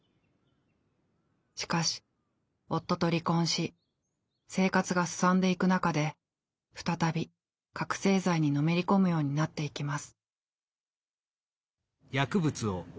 しかし夫と離婚し生活がすさんでいく中で再び覚醒剤にのめり込むようになっていきます。